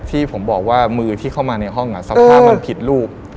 ที่ผมบอกว่ามือที่เข้ามาในห้องสภาพมันผิดรูป